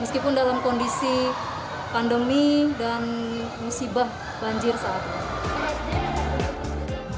meskipun dalam kondisi pandemi dan musibah banjir saat ini